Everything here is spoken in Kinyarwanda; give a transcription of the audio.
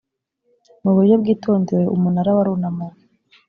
mu buryo bwitondewe umunara warunamuwe